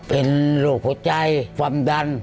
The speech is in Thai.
เป็นโรคหัวใจความดัน